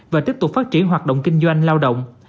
và tiếp tục phát triển hoạt động kinh doanh lao động